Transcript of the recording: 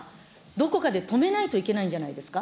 どこかで止めないといけないんじゃないですか。